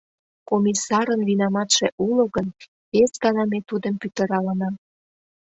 Комиссарын винаматше уло гын, вес гана ме тудым пӱтыралына.